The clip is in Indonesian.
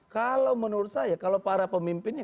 kalau menurut saya kalau para pemimpinnya